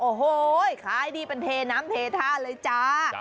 โอ้โหขายดีเป็นเทน้ำเทท่าเลยจ้า